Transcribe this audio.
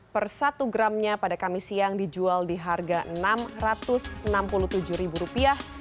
per satu gramnya pada kamis siang dijual di harga enam ratus enam puluh tujuh ribu rupiah